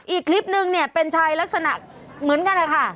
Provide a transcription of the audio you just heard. อีกคลิปนึงเนี่ยเป็นชายลักษณะเหมือนกันนะคะ